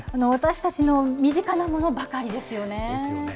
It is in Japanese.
私たちの身近なものばかりですよね。